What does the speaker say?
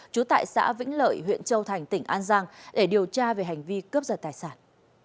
trú tại xã vĩnh lợi huyện châu thành tỉnh an giang để điều tra về hành vi cướp giật tài sản